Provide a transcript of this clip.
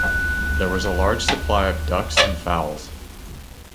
There was a large supply of ducks and fowls.